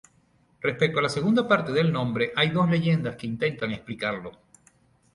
Respecto a la segunda parte del nombre, hay dos leyendas que intentan explicarlo.